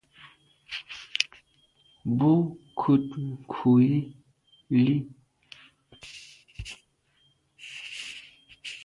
Bon nkùt nku yi li.